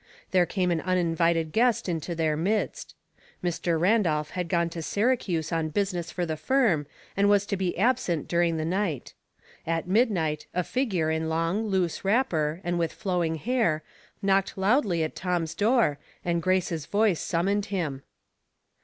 There came an uninvited guest into their midst. Mr. Randolph had gone to Syra cuse on business for the firm, and was to be absent during the night. At midnight a figure in long, loose wrapper, and with flowing hair, knocked loudly at Tom's door, and Grace's voice summoned him.